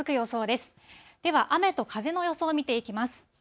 では雨と風の予想を見ていきます。